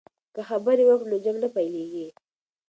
که خبرې وکړو نو جنګ نه پیلیږي.